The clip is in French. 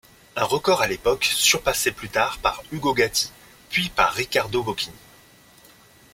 Un record à l'époque surpassé plus tard par Hugo Gatti puis par Ricardo Bochini.